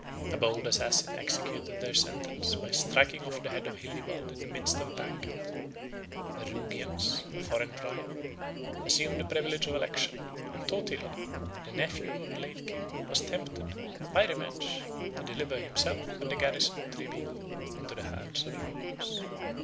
A bold assassin executed their sentence by striking off the head of Hildibald in the midst of a banquet; the Rugians, a foreign tribe, assumed the privilege of election: and Totila, 611 the nephew of the late king, was tempted, by revenge, to deliver himself and the garrison of Trevigo into the hands of the Romans.